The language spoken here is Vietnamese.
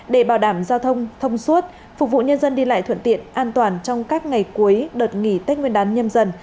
để bảo đảm giao thông thông suốt phục vụ nhân dân đi lại thuận tiện an toàn trong các ngày cuối đợt nghỉ tết nguyên đán nhâm dần